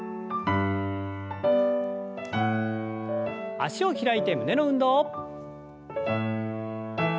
脚を開いて胸の運動。